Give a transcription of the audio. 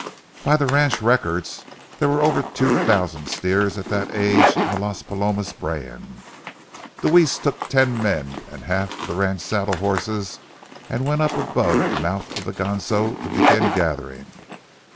By the ranch records, there were over two thousand steers of that age in the Las Palomas brand. Deweese took ten men and half of the ranch saddle horses and went up above the mouth of the Ganso to begin gathering.